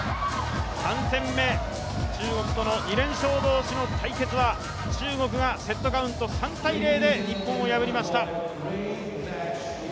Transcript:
３戦目、中国との２連勝同士の対決は中国がセットカウント３−０で日本を破りました。